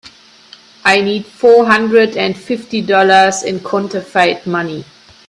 I need four hundred and fifty dollars in counterfeit money.